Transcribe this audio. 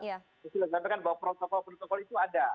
susil sampaikan bahwa protokol protokol itu ada